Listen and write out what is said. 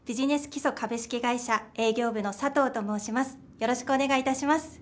初めましてよろしくお願いいたします。